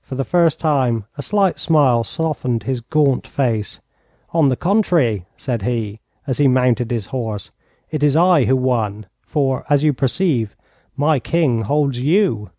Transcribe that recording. For the first time a slight smile softened his gaunt face. 'On the contrary,' said he, as he mounted his horse, 'it is I who won, for, as you perceive, my King holds you.'